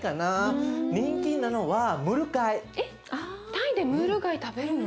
タイでムール貝食べるの？